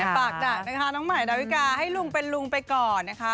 ฝากจากนะคะน้องใหม่ดาวิกาให้ลุงเป็นลุงไปก่อนนะคะ